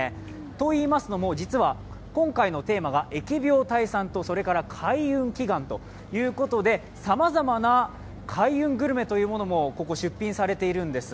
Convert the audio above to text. と言いますのも、実は今回のテーマが疫病退散と開運祈願ということで、さまざまな開運グルメというものも出品されているんです。